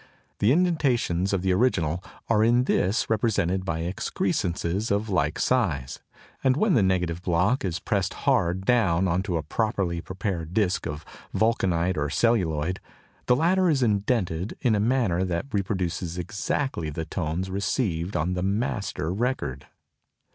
The indentations of the original are in this represented by excrescences of like size; and when the negative block is pressed hard down on to a properly prepared disc of vulcanite or celluloid, the latter is indented in a manner that reproduces exactly the tones received on the "master" record.